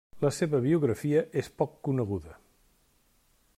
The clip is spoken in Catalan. La seva biografia és poc coneguda.